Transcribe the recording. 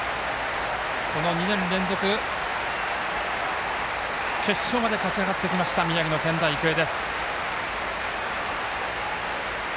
この２年連続決勝まで勝ち上がってきました宮城の仙台育英です。